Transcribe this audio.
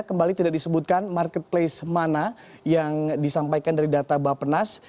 kembali tidak disebutkan marketplace mana yang disampaikan dari data bapenas